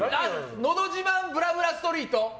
のど自慢ぶらぶらストリート。